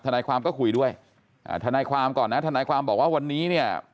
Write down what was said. นายความก็คุยด้วยอ่าทนายความก่อนนะทนายความบอกว่าวันนี้เนี่ย